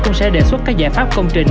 cũng sẽ đề xuất các giải pháp công trình